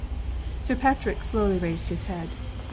Sir Patrick slowly raised his head.